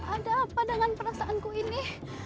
ada apa dengan perasaanku ini